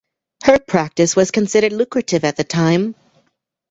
Her practice was considered lucrative at the time.